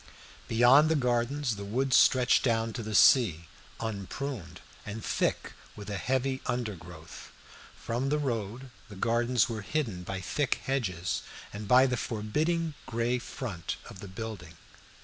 Beyond the gardens the woods stretched down to the sea, unpruned and thick with a heavy undergrowth; from the road the gardens were hidden by thick hedges, and by the forbidding gray front of the building.